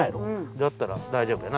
だったら大丈夫やな。